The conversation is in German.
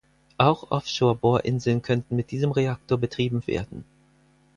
Auch Offshore-Bohrinseln könnten mit diesen Reaktor betrieben werden.